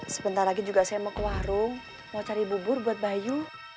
sebentar lagi juga saya mau ke warung mau cari bubur buat bayu